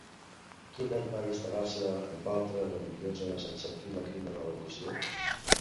Quin any va instal·lar-se amb altres religioses en sentir la crida de la vocació?